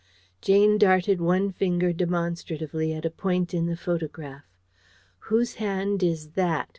Jane darted one finger demonstratively at a point in the photograph. "Whose hand is THAT?"